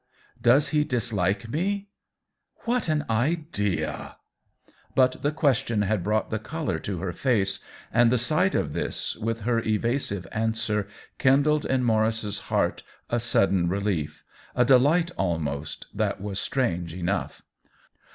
" Does he dislike me ?"" What an idea !" But the question had brought the color to her face, and the sight of this, with her eva sive answer, kindled in Maurice's heart a sud den relief, a delight almost, that was strange enough.